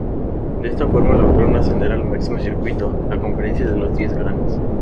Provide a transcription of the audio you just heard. De esta forma lograron ascender al máximo circuito, la conferencia de Los Diez Grandes.